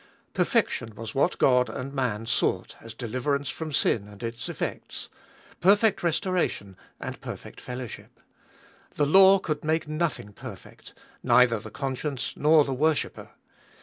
Perfection was what God and man sought as deliverance from sin and its effects ; perfect restora tion and perfect fellowship. The law could make nothing perfect, neither the conscience nor the worshipper.